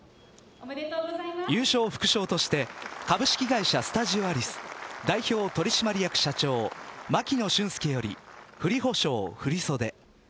優勝副賞として株式会社スタジオアリス代表取締役社長牧野俊介よりふりホ賞振り袖。